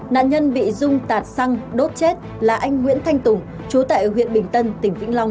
nạn nhân bị dung tạt xăng đốt chết là anh nguyễn thanh tùng chú tại huyện bình tân tỉnh vĩnh long